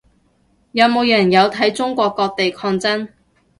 有冇人有睇中國各地抗爭